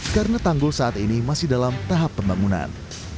karena tanggul saat ini masih dalam tahap pembangunan